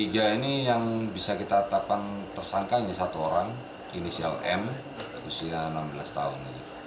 tiga ini yang bisa kita tetapkan tersangka hanya satu orang inisial m usia enam belas tahun